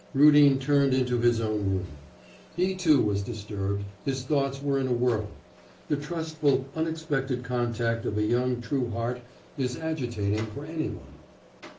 Rudin turned into his own room. He, too, was disturbed; his thoughts were in a whirl. The trustful, unexpected contact of a young true heart is agitating for any one.